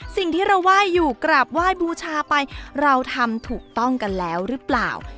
สิ่งที่เราไหว้อยู่กราบไหว้บูชาไปเราทำถูกต้องกันแล้วหรือเปล่า